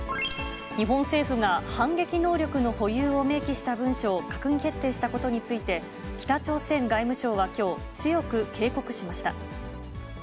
日本政府が反撃能力の保有を明記した文書を閣議決定したことについて、北朝鮮外務省はきょう、強く警告しました。